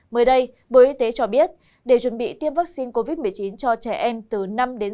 mới đây bộ y tế cho biết để chuẩn bị tiêm vaccine covid một mươi chín cho trẻ em từ năm đến sáu mươi